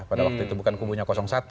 pada waktu itu bukan kubunya satu